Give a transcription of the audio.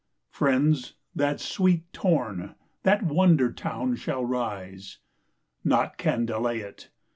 Friends, that sweet town, that wonder town, shall rise. Naught can delay it.